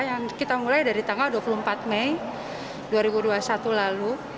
yang kita mulai dari tanggal dua puluh empat mei dua ribu dua puluh satu lalu